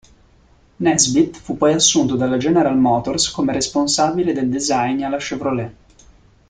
Nesbitt fu poi assunto dalla General Motors come responsabile del design alla Chevrolet.